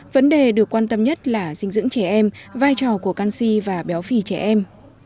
vấn đề được quan tâm nhất là dinh dưỡng trẻ em vai trò của canxi và béo phì trẻ em